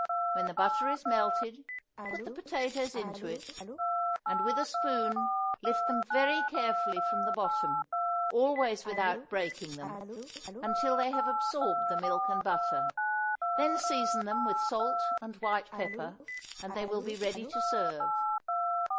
When the butter is melted put the potatoes into it, and with a spoon lift them very carefully from the bottom, always without breaking them, until they have absorbed the milk and butter; then season them with salt and white pepper, and they will be ready to serve.